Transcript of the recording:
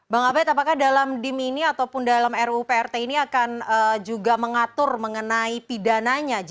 bang abed apakah dalam dim ini ataupun dalam ruprt ini akan juga mengatur mengenai pidananya